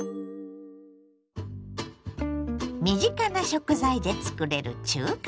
身近な食材でつくれる中華丼。